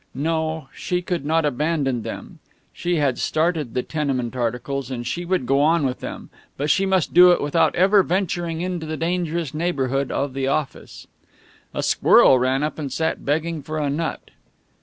No, she could not abandon them. She had started the tenement articles, and she would go on with them. But she must do it without ever venturing into the dangerous neighborhood of the office. A squirrel ran up and sat begging for a nut.